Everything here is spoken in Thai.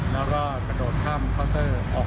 แล้วกระโดดข้ามขอร์เตอร์ออก